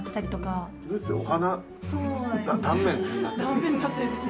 断面になってるんです。